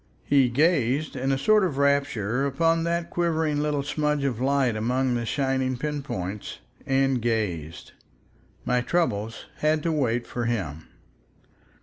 He gazed in a sort of rapture upon that quivering little smudge of light among the shining pin points—and gazed. My troubles had to wait for him.